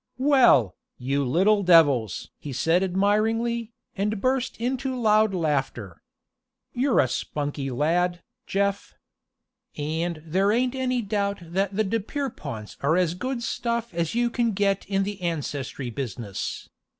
"Well, you little devils!" he said admiringly, and burst into loud laughter. "You're a spunky lad, Jeff. And there ain't any doubt that the de Pierreponts are as good stuff as you can get in the ancestry business.